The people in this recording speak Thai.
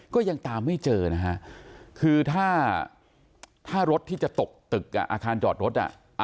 ก็ยังตามไม่เจอนะฮะคือถ้ารถที่จะตกตึกอาคารจอดรถอ่ะ